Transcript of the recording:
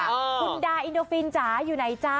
คุณดาอินโดฟินจ๋าอยู่ไหนจ๊ะ